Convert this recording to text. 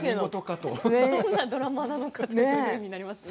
どんなドラマなのかというふうになりますけど。